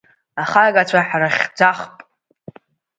Ахагацәа ҳрыхьӡахп…